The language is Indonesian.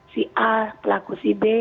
si a pelaku si b